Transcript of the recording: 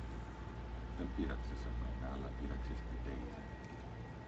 Δεν πείραξες εμένα, αλλά πείραξες τη Ντέιζη